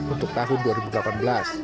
untuk tahun dua ribu delapan belas